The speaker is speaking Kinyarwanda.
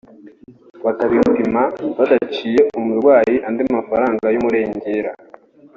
bakabipima badaciye umurwayi andi mafaranga y’umurengera